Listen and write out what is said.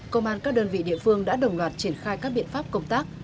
công an các đơn vị địa phương đã đồng loạt triển khai các biện pháp công tác